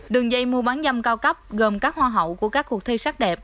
đường dây mua bán nhầm cao cấp gồm các hoa hậu của các cuộc thi sắc đẹp